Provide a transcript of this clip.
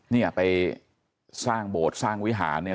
นี่ไปสร้างโบดสร้างวิหาเนี่ย